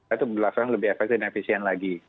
itu dilaksanakan lebih efisien lagi